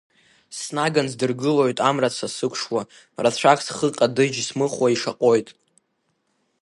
Снаган сдыргылоит амра ца сықәшуа, рацәак схы ҟадыџь смыхәо ишаҟәоит.